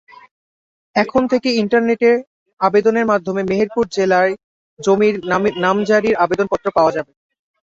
এখন থেকে ইন্টারনেটে আবেদনের মাধ্যমে মেহেরপুর জেলায় জমির নামজারির আবেদনপত্র পাওয়া যাবে।